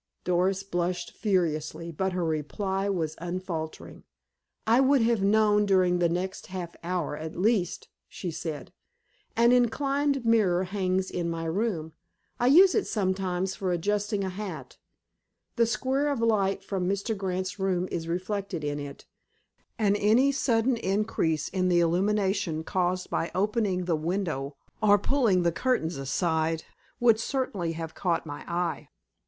Doris blushed furiously, but her reply was unfaltering. "I would have known during the next half hour, at least," she said. "An inclined mirror hangs in my room. I use it sometimes for adjusting a hat. The square of light from Mr. Grant's room is reflected in it, and any sudden increase in the illumination caused by opening the window or pulling the curtains aside would certainly have caught my eye."